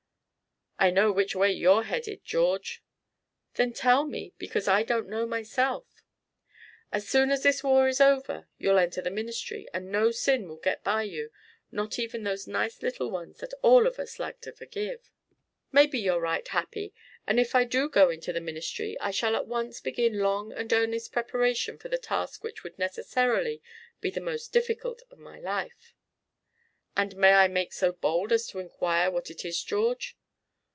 "I know which way you're headed, George." "Then tell me, because I don't know myself." "As soon as this war is over you'll enter the ministry, and no sin will get by you, not even those nice little ones that all of us like to forgive." "Maybe you're right, Happy, and if I do go into the ministry I shall at once begin long and earnest preparation for the task which would necessarily be the most difficult of my life." "And may I make so bold as to inquire what it is, George?"